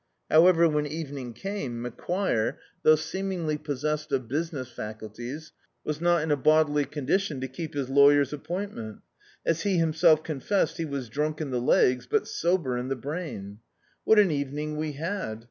However, when evening came Macquire, thou^ seemingly possessed of business faculties, was not in a bodily condition to keep his lawyer's appoint ment. As he himself confessed — "he was drunk in the legs, but sober in the brain." What an evening we had!